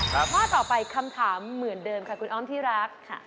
ข้อต่อไปคำถามเหมือนเดิมค่ะคุณอ้อมที่รักค่ะ